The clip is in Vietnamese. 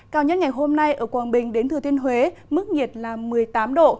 cao nhất ngày hôm nay ở quảng bình đến thừa thiên huế mức nhiệt là một mươi tám độ